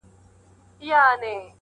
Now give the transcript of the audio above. بریالی له هر میدانi را وتلی؛